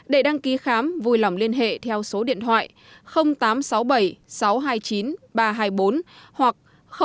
để đăng ký khám vui lòng liên hệ theo số điện thoại tám trăm sáu mươi bảy sáu trăm hai mươi chín ba trăm hai mươi bốn hoặc ba mươi ba ba trăm năm mươi năm một nghìn một trăm ba mươi năm